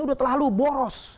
udah terlalu boros